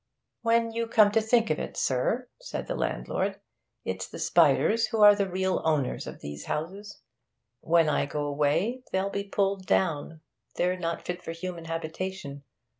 'When you come to think of it, sir,' said the landlord, 'it's the spiders who are the real owners of these houses. When I go away, they'll be pulled down; they're not fit for human habitation.